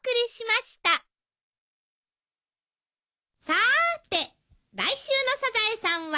さーて来週の『サザエさん』は？